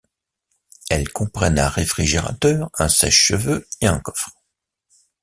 Elles comprennent un réfrigérateur, un sèche-cheveux et un coffre.